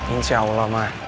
insya allah ma